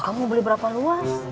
kamu beli berapa luas